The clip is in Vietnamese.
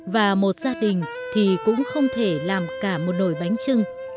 và một gia đình thì cũng không thể làm cả một nồi bánh trưng